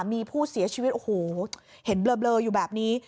มีผู้เสียชีวิตโอ้โหเห็นเบลออยู่แบบนี้